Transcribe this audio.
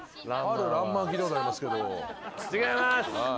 違います。